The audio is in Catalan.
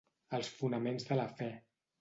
Els fonaments de la fe.